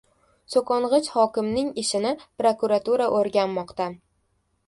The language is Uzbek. So‘kong‘ich hokimning «ishi»ni prokuratura o‘rganmoqda